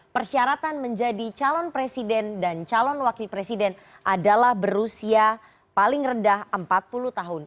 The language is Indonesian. persyaratan menjadi calon presiden dan calon wakil presiden adalah berusia paling rendah empat puluh tahun